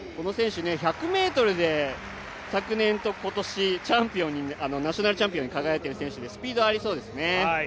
１００ｍで昨年と今年ナショナルチャンピオンに輝いている選手でスピードありそうですね。